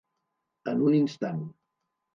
En un instant.